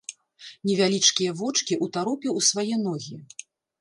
Невялічкія вочкі ўтаропіў у свае ногі.